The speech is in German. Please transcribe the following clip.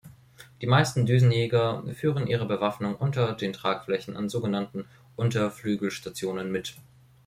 Die meisten Düsenjäger führen ihre Bewaffnung unter den Tragflächen an sogenannten Unterflügelstationen mit.